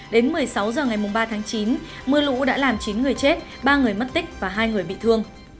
đến một mươi sáu h ngày ba tháng chín mưa lũ đã làm chín người chết ba người mất tích và hai người bị thương